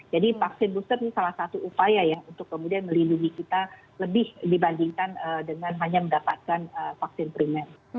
jadi vaksin booster ini salah satu upaya ya untuk kemudian melindungi kita lebih dibandingkan dengan hanya mendapatkan vaksin primer